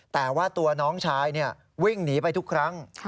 แต่ว่าตัวน้องชายวิ่งหนีไปทุกครั้ง